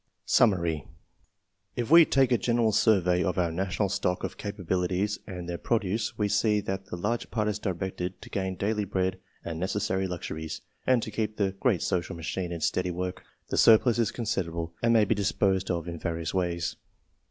SUMMARY. If we take a general survey of our national stock of capabilities and their produce, we see that the larger part is directed to gain daily bread and necessary luxuries, and to keep the great social machine in steady work. The sur plus is considerable, and may be disposed of in various ways.